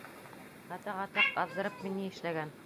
Атаҡ, атаҡ, аҙҙырып мин ни эшләгән?